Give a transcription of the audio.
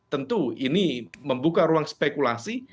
tentu ini membuka ruang spekulasi